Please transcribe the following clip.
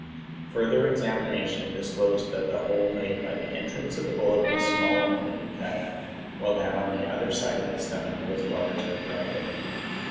Further examination disclosed that the hole made by the entrance of the bullet was small and clean cut, while that on the other side of the stomach was large and ragged.